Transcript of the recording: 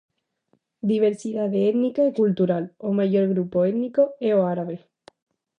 Diversidade étnica e cultural: o maior grupo étnico é o árabe.